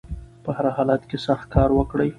په هر حالت کې سخت کار وکړئ